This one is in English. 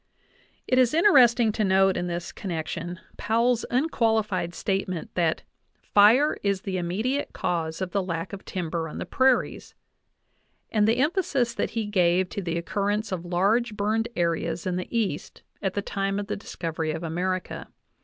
It is interesting to note in this connection Powell's unqualified statement that "fire is the immediate cause of the lack of timber on the prairies" (16), and the emphasis that he gave to the occurrence of large burned areas in the East at the time of the discovery of America.